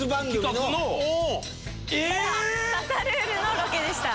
実は『刺さルール』のロケでした。